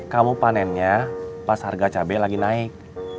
kamu panennya pas harga cabai lagi naik